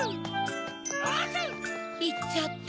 いっちゃった。